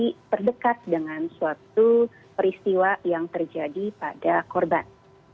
ini terdekat dengan suatu peristiwa yang terjadi pada korban